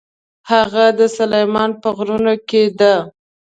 هغه د سلیمان په غرونو کې ده.